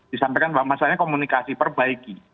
disampaikan bahwa masalahnya komunikasi perbaiki